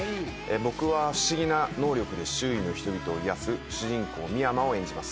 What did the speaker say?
僕は不思議な能力で周囲の人々を癒やす主人公未山を演じます。